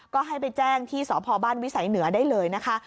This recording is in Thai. ก็ให้ไปแจ้งที่สพบ้านวิสัยเหนือได้เลยนะคะ